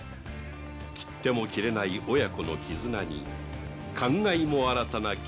切っても切れない親子の絆に感慨も新たな吉宗であった